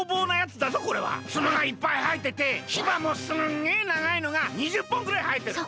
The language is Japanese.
ツノがいっぱいはえててキバもすんげえながいのが２０ぽんぐらいはえてる。